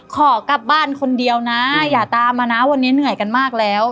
ขอกลับบ้านคนเดียวนะอย่าตามมานะวันนี้เหนื่อยกันมากแล้ว